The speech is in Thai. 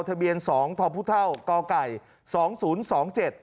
ทะเบียนสองทอพุเท่าก่อไก่สองศูนย์สองเจ็ด